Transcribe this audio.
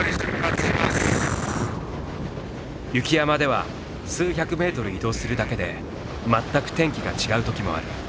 雪山では数百メートル移動するだけで全く天気が違うときもある。